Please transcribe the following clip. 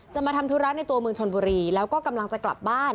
มาทำธุระในตัวเมืองชนบุรีแล้วก็กำลังจะกลับบ้าน